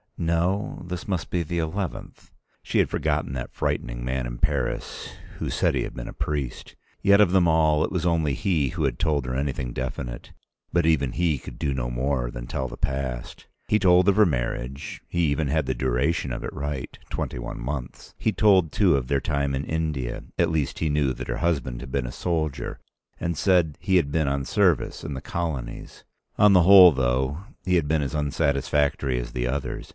No, this must be the eleventh. She had forgotten that frightening man in Paris who said he had been a priest. Yet of them all it was only he who had told her anything definite. But even he could do no more than tell the past. He told of her marriage; he even had the duration of it right—twenty one months. He told too of their time in India—at least, he knew that her husband had been a soldier, and said he had been on service in the "colonies." On the whole, though, he had been as unsatisfactory as the others.